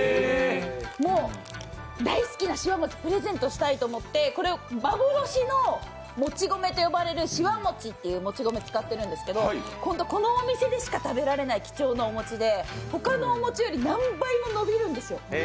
もう、大好きなしわもちをプレゼントしたいと思って、幻のもち米といわれるしわもちというもち米を使っているんですけどこのお店でしか食べられない貴重なお餅で、他のお餅より何倍も伸びるんですよ。